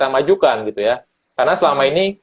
majukan gitu ya karena selama ini